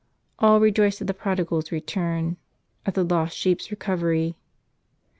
All rejoiced at the prodigal's return, at the lost sheep's recovery.